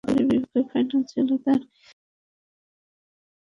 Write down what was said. এসব ঘটনায় সাধারণ লোকজনের নামে দুটি মিথ্যা মামলা করে খামার কর্তৃপক্ষ।